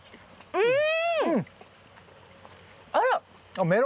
うん！